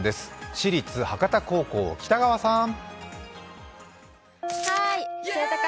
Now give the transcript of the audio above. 私立博多高校、北川さん。